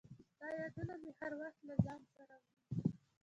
• ستا یادونه مې هر وخت له ځان سره وي.